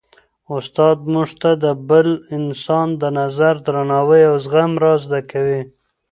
استاد موږ ته د بل انسان د نظر درناوی او زغم را زده کوي.